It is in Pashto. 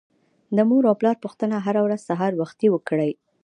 د مور او پلار پوښتنه هر ورځ سهار وختي وکړئ.